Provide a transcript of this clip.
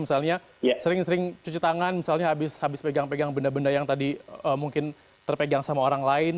misalnya sering sering cuci tangan misalnya habis pegang pegang benda benda yang tadi mungkin terpegang sama orang lain